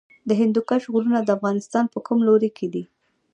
د هندوکش غرونه د افغانستان په کوم لوري کې دي؟